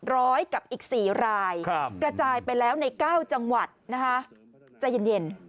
ร้อยกับอีก๔รายกระจายไปแล้วใน๙จังหวัดนะคะใจเย็น